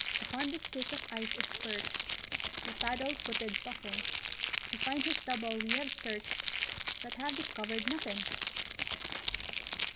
] Upon this cake of ice is perched, The paddle footed Puffin: To find his double we have searched, But have discovered Nuffin!